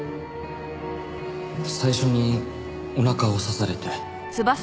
最初にお腹を刺されて。